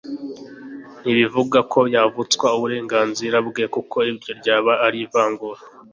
ntibivuga ko yavutswa uburenganzira bwe, kuko iryo ryaba ari ivangura